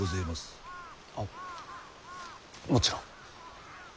あもちろん。